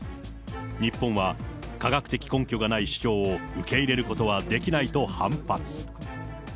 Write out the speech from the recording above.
日本は科学的根拠がない主張を受け入れることはできないと反発。